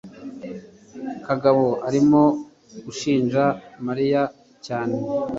kagabo arimo gushinja mariya cyane